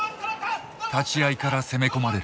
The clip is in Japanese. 立ち合いから攻め込まれる。